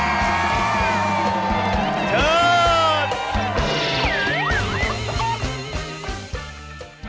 เชิญ